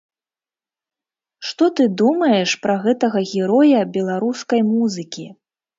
Што ты думаеш пра гэтага героя беларускай музыкі?